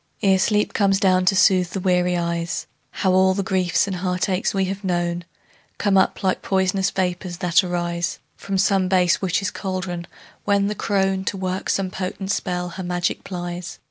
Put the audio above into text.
Ere sleep comes down to soothe the weary eyes, How all the griefs and heartaches we have known Come up like pois'nous vapors that arise From some base witch's caldron, when the crone, To work some potent spell, her magic plies.